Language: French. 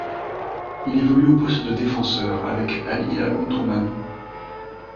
Il évolue au poste de défenseur avec Al Hilal Omdurman.